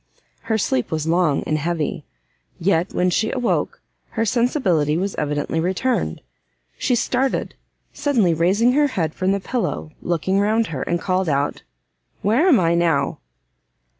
Her sleep was long and heavy; yet, when she awoke, her sensibility was evidently returned. She started, suddenly raised her head from the pillow, looked round her, and called out, "where am I now?"